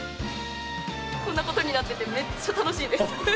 こんなことになってて、めっちゃ楽しいです。